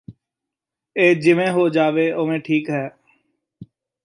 ੲ ਜਿਵੇਂ ਹੋ ਜਾਵੇ ਉਵੇਂ ਠੀਕ ਹੈ